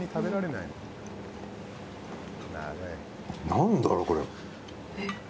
何だろう、これ。